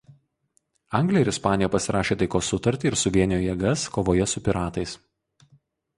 Anglija ir Ispanija pasirašė taikos sutartį ir suvienijo jėgas kovoje su piratais.